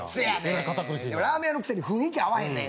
ラーメン屋のくせに雰囲気合わへんねん。